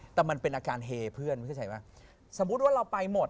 แต่มันเป็นอาการเฮเพื่อนไม่เข้าใจไหมสมมุติว่าเราไปหมด